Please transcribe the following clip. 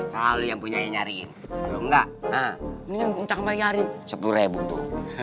kalau lo yang punya nyariin kalau enggak ini yang ncang bayarin sepuluh bu